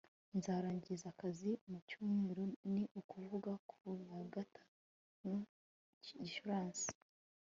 nzarangiza akazi mu cyumweru, ni ukuvuga ku ya gatanu gicurasi